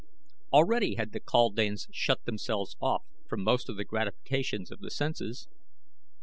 Already had the kaldanes shut themselves off from most of the gratifications of the senses.